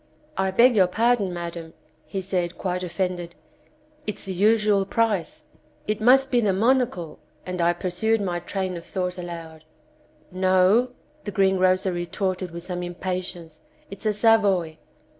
"I beg your par don. Madam," he said, quite offended, "it's the usual price." " It must be the monocle," 227 The Champagne Stand ard and I pursued my train of thought aloud. *'No,'* the greengrocer retorted with some impatience, "it's a Savoy."